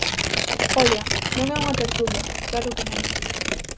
Oia, non é unha tertulia, claro que non.